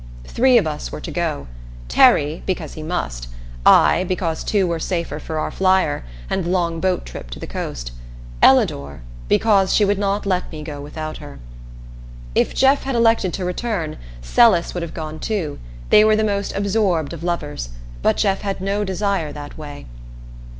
Three of us were to go: Terry, because he must; I, because two were safer for our flyer, and the long boat trip to the coast; Ellador, because she would not let me go without her. If Jeff had elected to return, Celis would have gone too they were the most absorbed of lovers; but Jeff had no desire that way.